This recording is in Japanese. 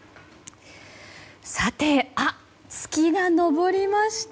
さて、月が昇りました！